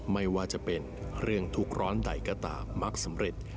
ไม่ว่าจะเป็นเรื่องทุกร้อนใดก็ตามมักสำเร็จ